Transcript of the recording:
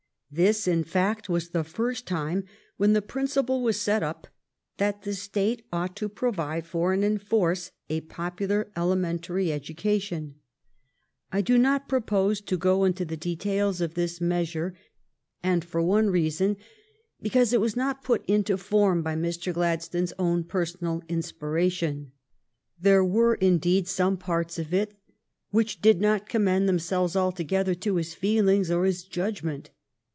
This, in fact, was the first time when the principle was set up that the State ought to provide for and enforce a popular elementary education. I do not propose to go into the details of this measure, 280 NATIONAL EDUCATION; OTHER REFORMS 28 1 and, for one reason, because it was not put into form by Mr. Gladstone s own personal inspiration. There were, indeed, some parts of it which did not commend themselves altogether to his feel ings or his judgment.